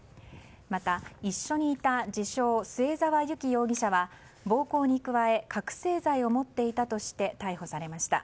また、一緒にいた自称、末沢有希容疑者は暴行に加え覚醒剤を持っていたとして逮捕されました。